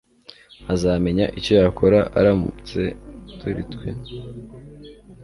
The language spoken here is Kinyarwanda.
Azamenya icyo yakora aramutse turi twe